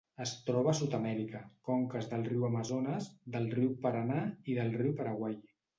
Es troba a Sud-amèrica: conques del riu Amazones, del riu Paranà i del riu Paraguai.